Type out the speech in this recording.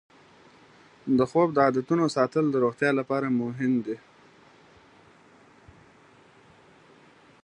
د خوب د عادتونو ساتل د روغتیا لپاره مهم دی.